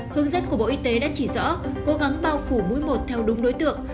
hướng dẫn của bộ y tế đã chỉ rõ cố gắng bao phủ mũi một theo đúng đối tượng